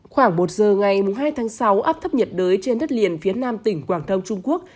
khoảng một giờ ngày hai tháng sáu áp thấp nhiệt đới trên đất liền phía nam tỉnh quảng đông trung quốc